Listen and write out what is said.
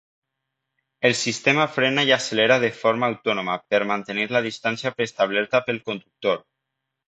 El sistema frena i accelera de forma autònoma per mantenir la distància preestablerta pel conductor.